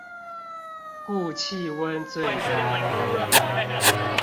故氣溫最高